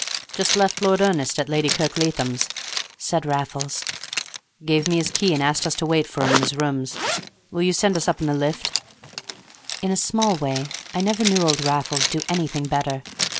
"Just left Lord Ernest at Lady Kirkleatham's," said Raffles. "Gave me his key and asked us to wait for him in his rooms. Will you send us up in the lift?" In a small way, I never knew old Raffles do anything better.